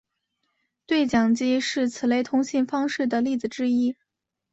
对讲机是此类通信方式的例子之一。